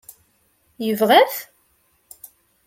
Yebɣa-t?